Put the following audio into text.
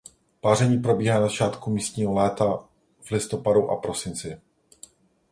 Páření probíhá na začátku místního léta v listopadu a prosinci.